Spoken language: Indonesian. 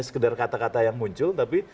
sekedar kata kata yang muncul tapi